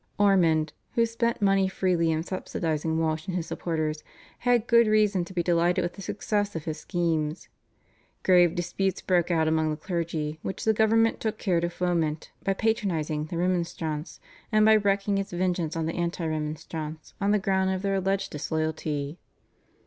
Ormond, who spent money freely in subsidising Walsh and his supporters, had good reason to be delighted with the success of his schemes. Grave disputes broke out among the clergy, which the government took care to foment by patronising the Remonstrants and by wreaking its vengeance on the anti Remonstrants on the grounds of their alleged disloyalty.